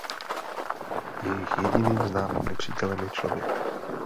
Jejich jediným známým nepřítelem je člověk.